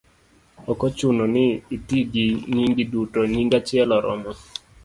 ok ochuno ni iti gi nyingi duto; nying achiel oromo.